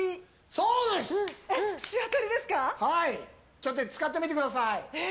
ちょっと使ってみてください。